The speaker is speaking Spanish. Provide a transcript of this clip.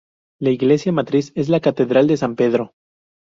La iglesia matriz es la Catedral de San Pedro.